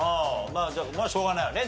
まあしょうがないよね。